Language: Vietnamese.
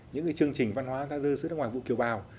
những cái chương trình văn hóa dưới nước ngoài vũ kiều bào